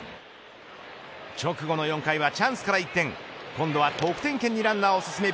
直後の４回はチャンスから一転今度は得点圏にランナーを進め